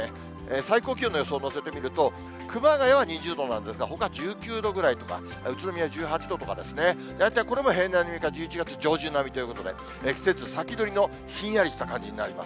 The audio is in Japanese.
最高気温の予想を載せてみると、熊谷は２０度なんですが、ほか１９度ぐらいとか、宇都宮１８度とかですね、大体これも平年並みか１１月上旬並みということで、季節先取りのひんやりした感じになります。